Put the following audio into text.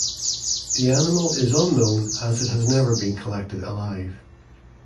The animal is unknown as it has never been collected alive.